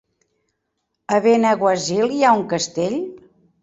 A Benaguasil hi ha un castell?